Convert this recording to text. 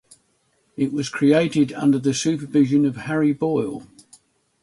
It was created under the supervision of Harry Boyle.